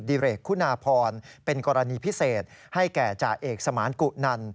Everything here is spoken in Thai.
เรกคุณาพรเป็นกรณีพิเศษให้แก่จ่าเอกสมานกุนัน